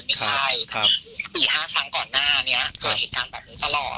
ไม่ใช่๔๕ครั้งก่อนหน้านี้เกิดเหตุการณ์แบบนี้ตลอด